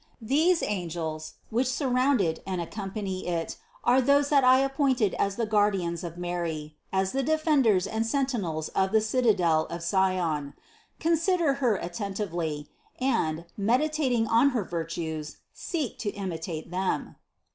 These angels, which surround it and accompany it, are those that I appointed as the guar dians of Mary, as the defenders and sentinels of the cita del of Sion. Consider Her attentively, and, meditating on her virtues, seek to imitate them."